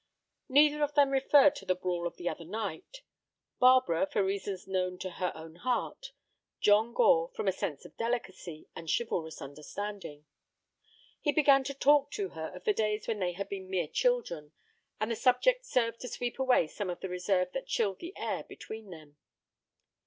Neither of them referred to the brawl of the other night—Barbara, for reasons known to her own heart; John Gore, from a sense of delicacy and chivalrous understanding. He began to talk to her of the days when they had been mere children, and the subject served to sweep away some of the reserve that chilled the air between them.